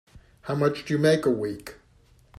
How much do you make a week?